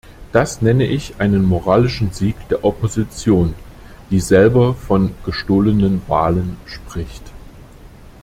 Das nenne ich einen moralischen Sieg der Opposition, die selber von "gestohlenen" Wahlen spricht.